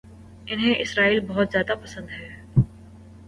انہیں اسرائیل بہت زیادہ پسند ہے